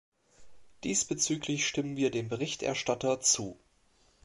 Diesbezüglich stimmen wir dem Berichterstatter zu.